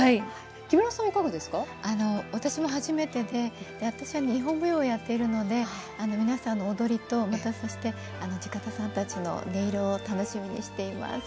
私は初めてで私は日本舞踊をやってるので皆さんの踊りと、また地方さんたちの音色を楽しみにしています。